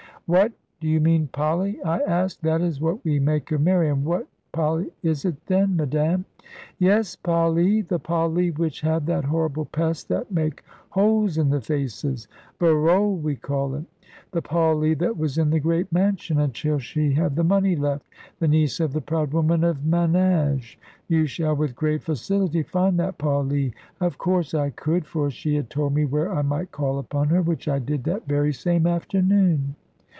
'" "What! do you mean Polly?" I asked; "that is what we make of Mary. And what Polly is it then, Madame?" "Yes, Paullee, the Paullee which have that horrible pest that makes holes in the faces. 'Verole' we call it. The Paullee that was in the great mansion, until she have the money left, the niece of the proud woman of manage. You shall with great facility find that Paullee." Of course I could, for she had told me where I might call upon her, which I did that very same afternoon.